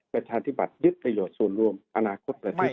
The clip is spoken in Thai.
ประชาธิบัตยึดประโยชน์ส่วนรวมอนาคตประเทศ